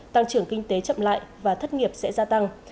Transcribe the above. tăng trưởng kinh tế chậm lại và thất nghiệp sẽ gia tăng